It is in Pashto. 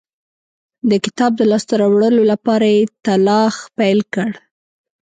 د کتاب د لاسته راوړلو لپاره یې تلاښ پیل کړ.